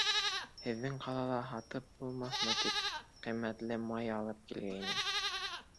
Һеҙҙең ҡалала һатып булмаҫмы тип, ҡиммәтле май алып килгәйнем.